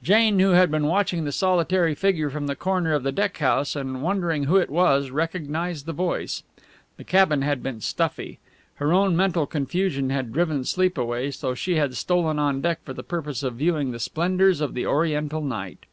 Jane, who had been watching the solitary figure from the corner of the deck house and wondering who it was, recognized the voice. The cabin had been stuffy, her own mental confusion had driven sleep away, so she had stolen on deck for the purpose of viewing the splendours of the Oriental night.